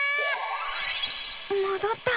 もどった。